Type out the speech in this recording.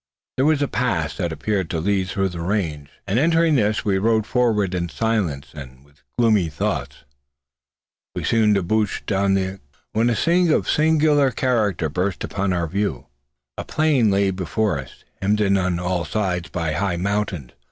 There was a pass that appeared to lead through the range; and entering this, we rode forward in silence and with gloomy thoughts. We soon debouched on the other side, when a scene of singular character burst upon our view. A plain lay before us, hemmed in on all sides by high mountains.